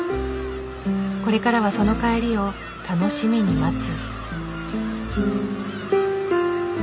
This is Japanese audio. これからはその帰りを楽しみに待つ。